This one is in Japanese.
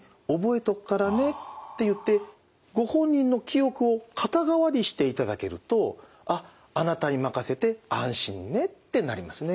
ご本人の記憶を肩代わりしていただけるとあっあなたに任せて安心ねってなりますね。